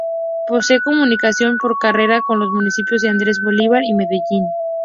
Posee comunicación por carretera con los municipios de Andes, Bolívar y Medellín.